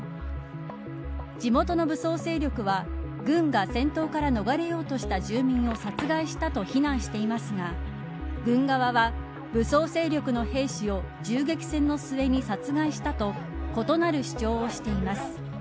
地元の武装勢力は軍が戦闘から逃れようとした住民を殺害したと非難していますが軍側は、武装勢力の兵士を銃撃戦の末に殺害したと異なる主張をしています。